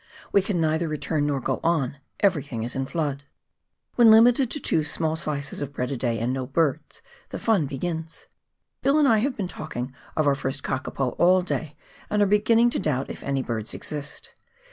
We can neither return, nor go on ; everything is in flood. "When limited to two small slices of bread a day, and no birds, the fun begins ! Bill and I have been talking of our first kakapo all day, and are beginning to doubt if any birds exist.